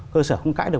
cơ sở không cãi được